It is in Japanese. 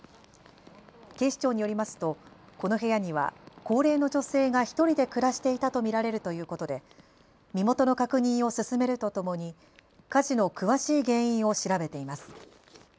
警視庁によりますとこの部屋には高齢の女性が１人で暮らしていたと見られるということで身元の確認を進めるとともに火事の詳しい原因を調べています。